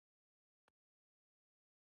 هر بالر ته محدود اوورونه ورکول کیږي.